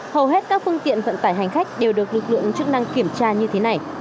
hầu hết các phương tiện vận tải hành khách đều được lực lượng chức năng kiểm tra như thế này